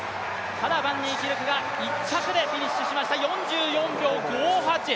ただバンニーキルクが１着でフィニッシュしました４４秒５８。